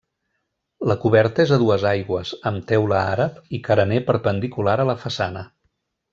La coberta és a dues aigües, amb teula àrab, i carener perpendicular a la façana.